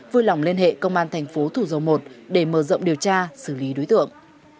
vui lòng liên hệ công an thành phố thủ dầu một để mở rộng điều tra xử lý đối tượng